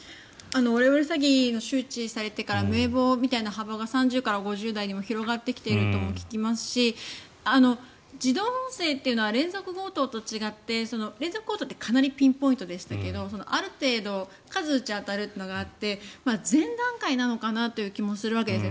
オレオレ詐欺が周知されてから名簿の幅が３０代から５０代に広がってきているとも聞きますし自動音声っていうのは連続強盗と違って連続強盗ってかなりピンポイントでしたがある程度、数を打てば当たるというのがあって前段階なのかなという気もするわけですね。